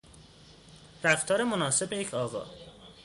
رفتار مناسب یک آقا